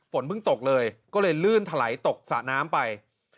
ฝนตกเลยก็เลยลื่นถลายตกสระน้ำไป